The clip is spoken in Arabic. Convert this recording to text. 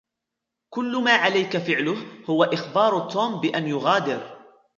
كل ما عليك فعله هو إخبار توم بأن يغادر.